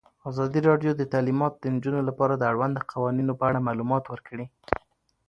ازادي راډیو د تعلیمات د نجونو لپاره د اړونده قوانینو په اړه معلومات ورکړي.